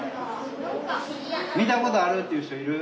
見たことあるっていう人いる？